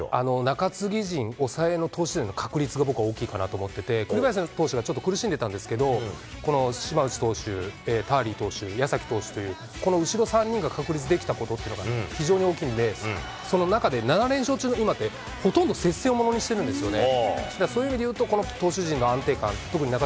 中継ぎ陣、抑えの投手陣の確立が僕は大きいかなと思ってて、栗林投手がちょっと苦しんでたんですけど、この島内投手、ターリー投手、やさき投手という、この後ろ３人が確立できたことっていうのが、非常に大きいんで、その中で７連勝中の今って、ほとんど接戦をものにしてるんですよね。